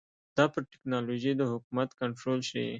دا پر ټکنالوژۍ د حکومت کنټرول ښيي.